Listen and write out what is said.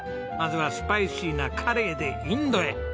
まずはスパイシーなカレーでインドへ。